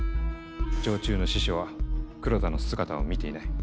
常駐の司書は黒田の姿を見ていない。